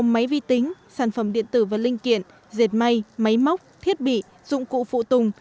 máy vi tính sản phẩm điện tử và linh kiện dệt may máy móc thiết bị dụng cụ phụ tùng